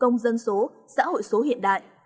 công dân số xã hội số hiện đại